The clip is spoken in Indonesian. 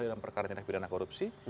dalam perkara tindak pidana korupsi